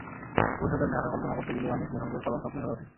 ভবিষ্যতের ঢাকা কল্পনা করতে গেলেই অনেক লেখকের কলম স্বপ্নিল হয়ে ওঠে।